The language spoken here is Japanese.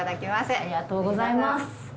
ありがとうございます。